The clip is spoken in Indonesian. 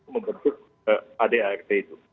membentuk adart itu